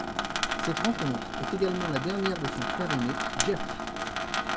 Cette rencontre est également la dernière de son frère aîné, Jeff.